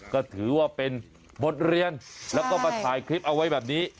ก็ถือว่าเป็นบทเรียนแล้วก็มาถ่ายคลิปเอาไว้แบบนี้